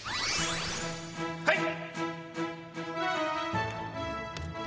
はい！